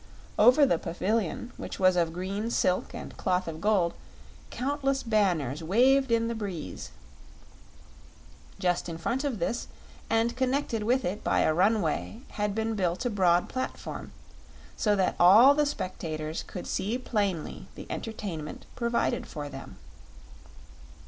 Over the pavilion, which was of green silk and cloth of gold, countless banners waved in the breeze. Just in front of this, and connected with it by a runway had been built a broad platform, so that all the spectators could see plainly the entertainment provided for them.